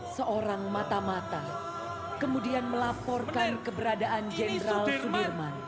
seorang mata mata kemudian melaporkan keberadaan jenderal sudirman